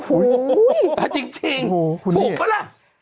อุ้ยจริงถูกปะล่ะ